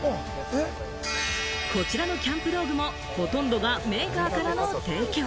こちらのキャンプ道具もほとんどがメーカーからの提供。